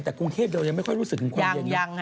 แต่กรุงเทพย์เดี๋ยวยังไม่ค่อยรู้สึกคุณความเย็นยัง